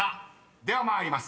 ［では参ります。